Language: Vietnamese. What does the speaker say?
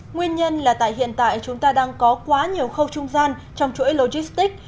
nguyên nhân là tại hiện tại chúng ta đang có quá nhiều khâu trung gian trong chuỗi logistics